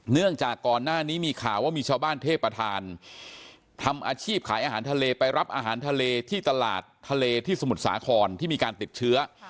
เนื่องจากก่อนหน้านี้มีข่าวว่ามีชาวบ้านเทพประธานทำอาชีพขายอาหารทะเลไปรับอาหารทะเลที่ตลาดทะเลที่สมุทรสาครที่มีการติดเชื้อ